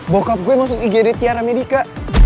bokap gue masuk igd tiara medica